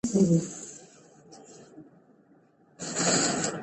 هر څوک په خپله برخه کې.